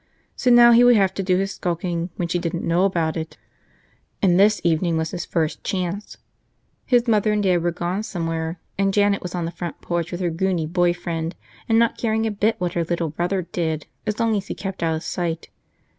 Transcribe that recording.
So now he would have to do his skulking when she didn't know about it, and this evening was his first chance. His mother and dad were gone somewhere, and Janet was on the front porch with her goony boy friend and not caring a bit what her little brother did as long as he kept out of sight.